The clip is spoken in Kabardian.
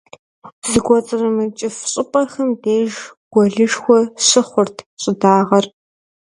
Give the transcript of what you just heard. Зыкӏуэцӏрымыкӏыф щӏыпӏэхэм деж гуэлышхуэ щыхъурт щӏыдагъэр.